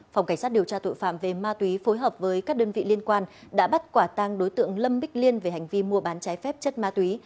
phòng cảnh sát điều tra tội phạm về ma túy phối hợp với các đơn vị liên quan đã bắt quả tang đối tượng lâm bích liên về hành vi mua bán trái phép chất ma túy